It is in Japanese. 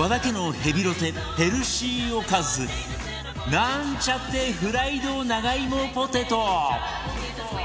ヘルシーおかずなんちゃってフライド長芋ポテト